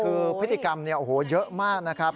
คือพฤติกรรมเนี่ยโอ้โหเยอะมากนะครับ